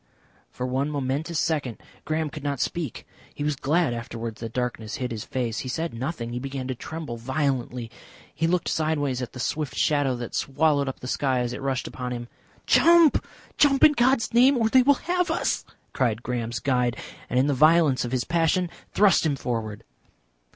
For one momentous second Graham could not speak. He was glad afterwards that darkness hid his face. He said nothing. He began to tremble violently. He looked sideways at the swift shadow that swallowed up the sky as it rushed upon him. "Jump! Jump in God's name! Or they will have us," cried Graham's guide, and in the violence of his passion thrust him forward.